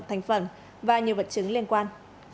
thành phần và nhiều vật chứng liên quan